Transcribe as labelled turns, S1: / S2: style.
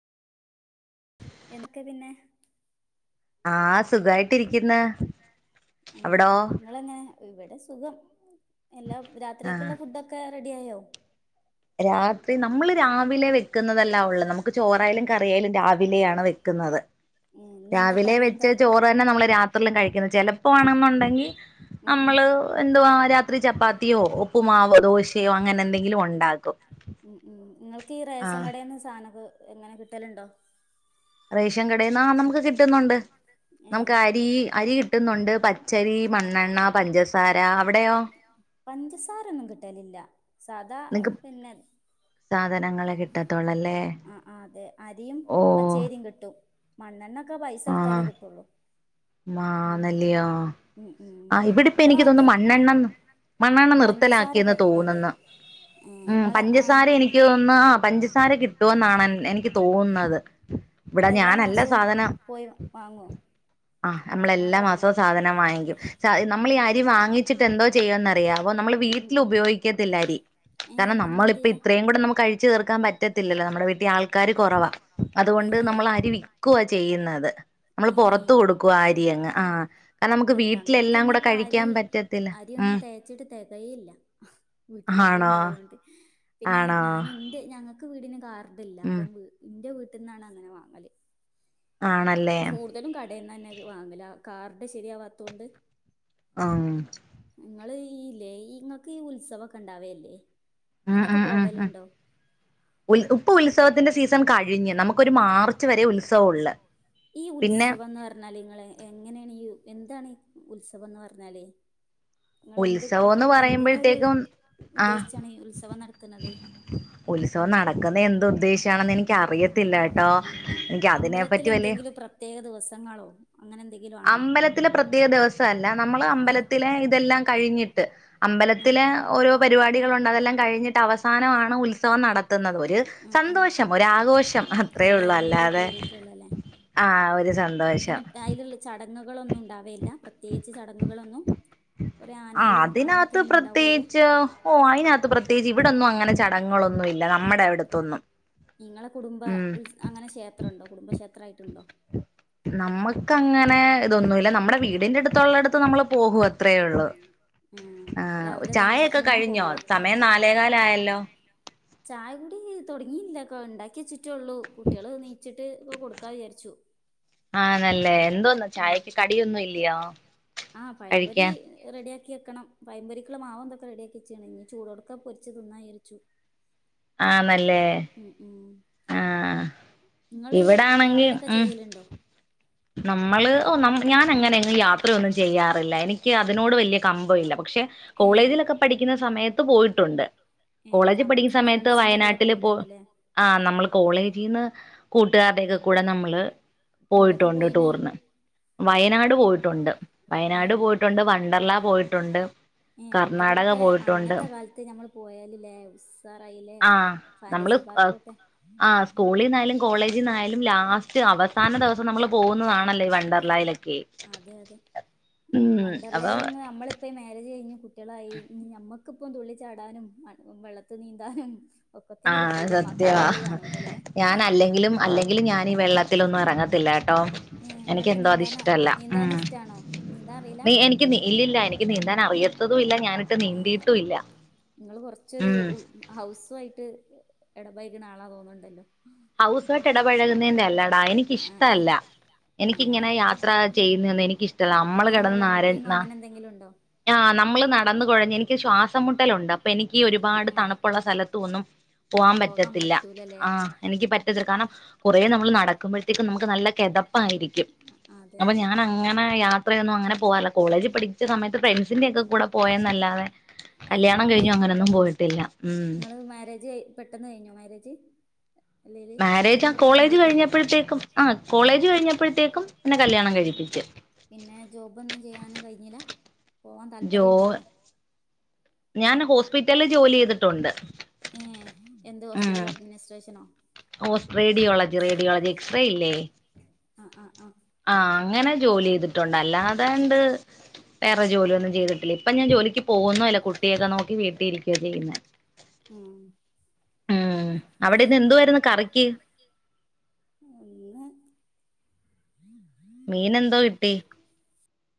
S1: എന്തൊക്കെ പിന്നെ
S2: ആഹ് സുഖയിട്ടിരിക്ക്ന്ന്
S1: ഉം നിങ്ങള് എങ്ങനെ ഇവിടെ സ് സുഖം എല്ലാം രാത്രിയേക്കുള്ള ഫുഡ് ഒക്കെ റെഡിയായോ
S2: രാത്രി നമ്മള് രാവിലെ വെക്കുന്നതല്ലാള്ളൂ നമുക്ക് ചോറായാലും കറിയായാലും രാവിലെയാണ് വയ്ക്കുന്നത്. രാവിലെ വെച്ച് ചോറ്തന്നെ നമ്മള് രാത്രിയിലും കഴിക്കുന്നത് ചെലപ്പോ ആണെന്നുണ്ടെ [unintelligible] നമ്മള് എന്തുവാ രാ ഒരു ചപ്പാത്തിയോ ഉപ്പുമാവ് ദോശയോ അങ്ങനെ എന്തെങ്കിലും ഉണ്ടാ
S1: ഉം ഉം ഇങ്ങള് ത്തി ഈ റേസൻ കടേന്ന് സാധനക്കെ എങ്ങനെ കിട്ടല്ണ്ടോ?
S2: റേഷൻ കടേന്ന് ആ നമുക്ക് കിട്ടുന്നുണ്ട്. നമുക്ക് അരി അരി കിട്ടുന്നുണ്ട് പച്ചരി മണ്ണെണ്ണ പഞ്ചസാര അവിടെയോ?
S1: പഞ്ചസാരൊന്നും കിട്ടലില്ല. സാദാ പിന്നേ
S2: സാധനങ്ങളെ കിട്ട
S1: ആ ആ അതെ അരിയും പച്ചേരിയും കിട്ടും മണ്ണെണ്ണ പൈസ കൊടുത്താലേ കിട്ടോള്ളൂ.
S2: മാ നല്ലിയോ ആ ഇവിടെപ്പെ എനിക്ക് തോന്നുന്നു മണ്ണെണ്ണ മണ്ണെണ്ണ നിർത്തലാക്കി എന്ന് തോന്ന്ന്നു. ഉം പഞ്ചസാര എനിക്ക് തോന്നുന്നു ആ പഞ്ചസാര കി കിട്ടു എന്നാണ് എ എനിക്ക് തോന്ന്ന്നത്. ഇവിടെ ഞാനല്ല സാധനം ആ നമ്മളല്ലാ മാസവും സാധനം വാങ്ങിക്കും. ച്ച നമ്മള് ഈ അരി വാങ്ങി ച്ചിട്ട് എന്തോ ചെയ്യന്നറിയാവോ നമ്മള് വീട്ടിൽ ഉപയോഗിക്കത്തില്ല അരി കാരണം നമ്മളിപ്പ ഇത്രയും കൂടെ നമുക്ക് കഴി ചേർക്കാൻ പറ്റത്തില്ലല്ലോ നമ്മടെ വീട്ടിൽ ആൾക്കാര് കൊറവാ. അതുകൊണ്ട് നമ്മൾ അരി വിക്കുവാ ചെയ്യുന്നത് നമ്മള് പൊറത്ത് കൊടുക്കുവാ അരി അങ്ങ് ആ കാരണം നമുക്ക് വീ
S1: എനിക്കൊന്നും ഇപ്പ അരി അരിയൊന്നും തെയച്ചിട്ട് തെകയില്ല വീട്ടില് ആള് ഇണ്ടായോണ്ട് പിന്നെ ഞാനിന്റെ ഞങ്ങൾ ക്ക് വീടിന് കാർ ത്ല്ല അപ്പം വ് ന്റെ വ് ത്ത്ന്നാണ് അങ്ങനെ വാങ്ങല്.
S2: ആണല്ലേ
S1: അവിടെന്നന്നെ ഇത് വാങ്ങല് കാർഡ് ശരിയാവാത്തോണ്ട്
S2: ആഹ്
S1: ഇങ്ങള് ഇല്ലേ ഇങ്ങൾക്ക് ഈ ഉത്സവൊക്കെ ഉണ്ടാവല്ലേ?
S2: ആഹ് ആഹ് ആഹ് ആഹ് ഉൽ ഇപ്പ ഉത്സവത്തിന്റെ സീസൺ കഴിഞ്ഞ് നമുക്കൊരു മാർ ച്ച് വരെ ഉത്സവള്ളെ.
S1: ഈ ഉത്സവംന്ന് പറഞ്ഞാൽ നിങ്ങള് എങ്ങനെയാണ് എന്താണ്? ഉത്സവംന്ന് പറഞ്ഞാല്
S2: ഉത്സവംന്ന് പറയുമ്പോഴത്തേക്കും ആഹ് ഉത്സവം നടക്കുന്ന എന്ത് ഉദ്ദേശാണെന്ന് എനി
S1: അമ്പലത്തിലെന്തെങ്കിലും പ്രത്യേക ദിവസങ്ങളോ അങ്ങനെ എന്തെ
S2: അമ്പലത്തിലെ പ്രത്യേക ദിവസല്ല നമ്മള് അമ്പലത്തിലെ ഇതെല്ലാം ക കഴിഞ്ഞിട്ട് അമ്പലത്തിലെ ഓരോ പരിപാടികളുണ്ട് അതെല്ലാം കഴിഞ്ഞിട്ട് അവസാനമാണ് ഉത് ഉത്സവം നടക് ത്തുന്നത് ഒരു സന്തോഷം ഒ ആഘോഷം അത്രേ ഉള്ളൂ അല്ലാതെ ആഹ് ഒരു സന്തോഷം
S1: ചടങ്ങുകളൊന്നും ഉണ്ടാവല്ല പ്രത്യേകിച്ച് ചടങ്ങുകളൊന്നും കുറെ ആനകളും അങ്ങനെയൊക്കെന്നെ ഉണ്ടാവുള്ളൂ
S2: അട്ത്തൊന്നും
S1: നിങ്ങളെ കുടുംബ ഉത് അങ്ങനെ ക്ഷേത്രം ഉണ്ടോ കുടുംബക്ഷേത്രായിട്ട്ണ്ടോ
S2: ഇതൊന്നുല്ല നമ്മുടെ വീടിന്റെടുത്തുള്ള അടുത്ത് നമ്മള് പോകും അത് അത്രേ ഉള്ളൂ ആഹ് ചായൊക്കെ കഴിഞ്ഞോ? സമയം നാലേകാലായല്ലോ?
S1: ചായ കുടി തുടങ്ങിയിറ്റില്ല ട്ടോ ഉണ്ടാക്കെച്ച് റ്റൊള്ളു കുട്ട്യാള് നീ ച്ചിട്ട് ട്ടൊക്കെ കൊടുക്കാ വിചാരിച്ചു
S2: ആഹ് നല്ലേ എന്തോന്ന് ചായക്ക് കടിയൊന്നും ഇല്ല്യ
S1: ആഹ് പായമ്പൊരി റെഡ് റെഡിയാക്കി വെക്കണം. പയമ്പൊരിക്ക്ള്ള മാവും തൊക്കെ റെഡിയാക്കി വെച്ച്ക്കണ് ഞ്ഞി ചൂടോട്ക്കെ പൊരിച്ച് തിന്നായിരിച്ചു.
S2: ആഹ് നല്ലേ ആഹ് ഇവിടാണെങ്കിൽ ഊം നമ്മള് ഓ നം ഞാൻ അങ്ങനെങ്ങ് യാത്രയൊന്നും ചെയ്യ ചെയ്യാറില്ല എനിക്ക് അതിനോട് വലിയ കമ്പഇല്ല പ ക്ഷേ വയനാട്ടില് കോളേജിൽ പഠിക്കുന്ന സമയത്ത് പോയിട്ടുണ്ട്. കോളേജിൽ പഠിക്കുന്ന സമയത്ത് വയനാട്ടിൽ പോ ആഹ് നമ്മൾ കോളേജീന്ന് കൂട്ടുകാരുടെക്കെ കൂടെ നമ്മള് പോയി ട്ടുണ്ട് ടൂറിന് വയനാട് പോയിട്ടുണ്ട് വയനാട് പോയിട്ടുണ്ട് വണ്ടർല പോയിട്ടുണ്ട് കർണാടക പോയിട്ടുണ്ട് ആഹ് നമ്മള് ആ സ്കൂളിൽന്നായാലും കോളേജി ലാസ്റ്റ് അവസാന ദിവസ അപ്പൊ നമ്മൾ പോകുന്നതാണല്ലേ വണ്ടർലായിലൊക്കെ ഊം അപ്പൊ
S1: കുട്ടികളായി നമ്മക്കിപ്പൊ തുള്ളി ചാടാനും വെള്ളത്തി നീന്താനും
S2: ആഹ സത്യവാ ഞാൻ അല്ലെങ്കിലും അല്ലെ ഞാനീ വെള്ളത്തിലൊന്നും ഇറങ്ങത്തില്ലാരുന്നു കേട്ടോ എനിക്ക് എന്തോ അത് ഇഷ്ടല്ല ഉം നീ എനിക്ക് ഇല്ലില്ല എനിക്ക് നീന്താൻ അറിയത്തതും ഇല്ല ഞാനിട്ട് നീന്തിയിട്ടുമില്ല
S1: ഇച്ചരു ഹൗസ് ആയിട്ട് തോന്നുന്നുണ്ടല്ലോ
S2: ഹൗസ്‌വായിട്ട് ഇടപഴകുന്നതിന്റെ അല്ലഡാ എനിക്കിഷ്ടമല്ല എനിക്കിങ്ങനെ യാത്ര ചെയ്യുന്ന ഒന്നും എനിക്കിഷ്ടമല്ല നമ്മൾ കിടന്ന് നര നമ്മള് നടന്ന് കൊഴഞ്ഞു എനിക്ക് ശ്വാസം മു- മുട്ടലു ഉണ്ട് എനിക്ക് ഒരുപാട് തണുപ്പുള്ള സ്ഥലത്ത് ഒന്നും പോവാൻ പറ്റത്തില്ല ആഹ എനിക്ക് പറ്റത്തില്ല കാരണം ഒ നമ്മള് നടക്കുമ്പോഴത്തേക്കും നമുക്ക് നല്ല കെതം പ്പായിരിക്കും അപ്പൊ ഞാൻങ്ങനെ അത്രയൊന്നും അങ്ങനെ പോകാറില്ല കോളേജ് പഠിച്ച സമയത്ത് ഫ്രണ്ട്സിന്റെ ഒക്കെ കൂടെ പോയെന്നല്ലാതെ
S1: നിങ്ങള് നിങ്ങള് മാരേജ് പെട്ടെന്ന് കഴിഞ്ഞോ മാരേജ്
S2: മാരേജ ആ കോളേജ് കഴിഞ്ഞപ്പോഴത്തേക്കും ആ കോളേജ് കഴിഞ്ഞപ്പോഴത്തേക്കും പിന്നെ കല്യാണം കഴിപ്പിച്ചു
S1: പോവാൻ താല്പര്യമുണ്ടേന്യോ ഏ എന്ത് ഹോസ്പിറ്റൽ അഡ്മിനിസ്ട്രേഷനോ
S2: ഓ റേഡിയോളജി റേഡിയോളജി എക്സ്റേ ഇല്ലേ ആഹ് അങ്ങനെ ജോലി ചെയ്തിട്ടുണ്ട് അല്ലാതണ്ട് വേറെ ജോലി ഒന്നും ചെയ്തിട്ടില്ല ഇപ്പൊ ഞാൻ ജോലിക്ക് പോകുന്നില്ല കുട്ടിയൊക്കെ നോക്കി വീട്ടിൽ ഇരിക്കുവാ ചെയ്യുന്നേ
S1: ഉം
S2: മ്മ്
S1: ഇന്ന് ഉം
S2: മീനെന്തോ കിട്ടി